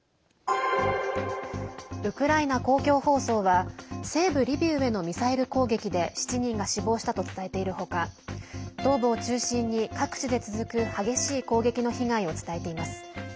ウクライナ公共放送は西部リビウへのミサイル攻撃で７人が死亡したと伝えているほか東部を中心に各地で続く激しい攻撃の被害を伝えています。